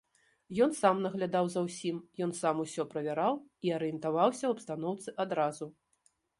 Ён сам наглядаў за ўсім, ён сам усё правяраў і арыентаваўся ў абстаноўцы адразу.